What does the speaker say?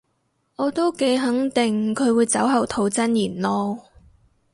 我都幾肯定佢會酒後吐真言囉